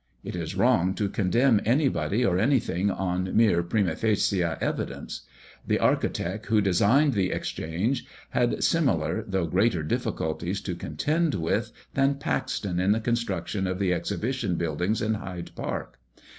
It is wrong to condemn anybody or anything on mere primâ facie evidence. The architect who designed the Exchange had similar though greater difficulties to contend with, than Paxton in the construction of the Exhibition Building in Hyde Park.